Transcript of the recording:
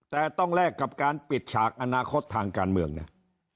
แต่ต้องแลกกับการปิดฉากอนาคตทางการเมืองนะ